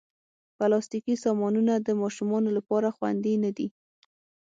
پلاستيکي سامانونه د ماشومانو لپاره خوندې نه دي.